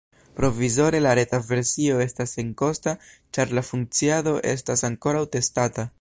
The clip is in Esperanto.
Provizore la reta versio estas senkosta, ĉar la funkciado estas ankoraŭ testata.